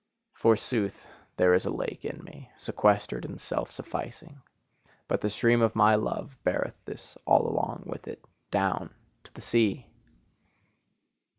Forsooth, there is a lake in me, sequestered and self sufficing; but the stream of my love beareth this along with it, down to the sea!